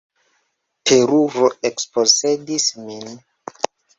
Teruro ekposedis min.